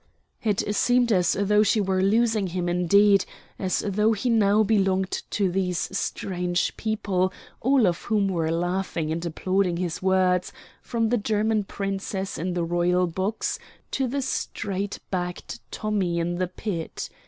It seemed as though she were losing him indeed as though he now belonged to these strange people, all of whom were laughing and applauding his words, from the German Princess in the Royal box to the straight backed Tommy in the pit.